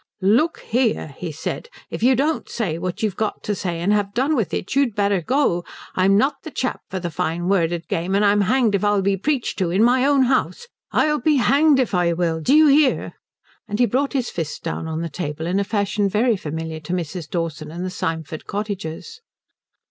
"Look here," he said, "if you don't say what you've got to say and have done with it you'd better go. I'm not the chap for the fine worded game, and I'm hanged if I'll be preached to in my own house. I'll be hanged if I will, do you hear?" And he brought his fist down on the table in a fashion very familiar to Mrs. Dawson and the Symford cottagers.